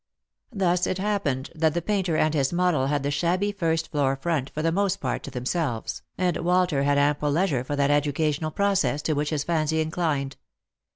Thus it happened that the painter and his model had the shabby first floor front for the most part to themselves, and Walter had ample leisure for that educational process to which his fancy inclined.